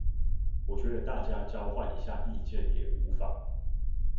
我覺得大家交換一下意見也無妨